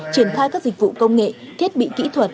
triển khai các dịch vụ công nghệ thiết bị kỹ thuật